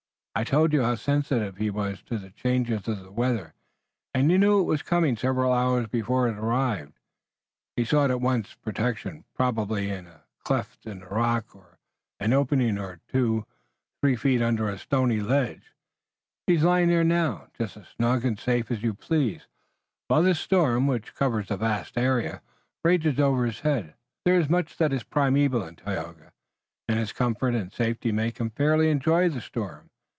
I told you how sensitive he was to the changes of the weather, and he knew it was coming several hours before it arrived. He sought at once protection, probably a cleft in the rock, or an opening of two or three feet under a stony ledge. He is lying there now, just as snug and safe as you please, while this storm, which covers a vast area, rages over his head. There is much that is primeval in Tayoga, and his comfort and safety make him fairly enjoy the storm.